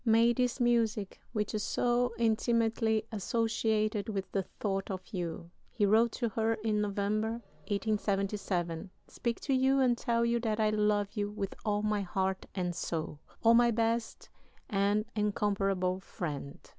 "May this music, which is so intimately associated with the thought of you," he wrote to her in November, 1877, "speak to you and tell you that I love you with all my heart and soul. O my best and incomparable friend!"